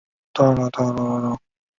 梁览人。